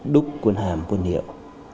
đúc quần hàm quần hiệu